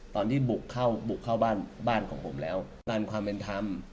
ตอนที่บุกเข้าบ้านบ้านของผมแล้วด้านความเป็นธรรม